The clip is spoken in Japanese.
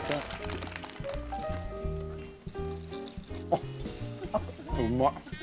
あっうま。